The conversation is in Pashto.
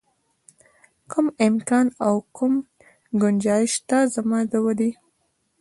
کوم امکان او کوم ګنجایش شته زما د ودې.